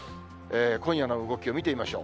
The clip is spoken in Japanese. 今夜の動きを見てみましょう。